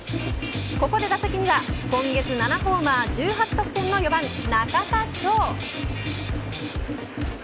ここで打席には今月７ホーマー１８得点の４番中田翔。